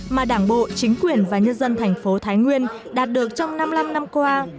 mà đảng bộ chính quyền và nhân dân thành phố thái nguyên đạt được trong năm mươi năm năm qua